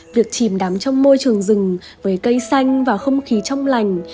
việc chìm đắm trong môi trường rừng về cây xanh và không khí trong lành